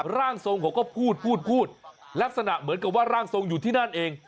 ร่างทรงเขาก็พูดพูดลักษณะเหมือนกับว่าร่างทรงอยู่ที่นั่นเอง